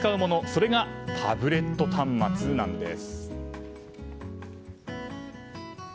それがタブレット端末なんです。